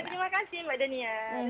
terima kasih mbak dania